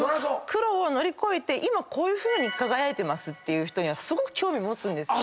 苦労を乗り越えて今こういうふうに輝いてますって人にはすごく興味持つ。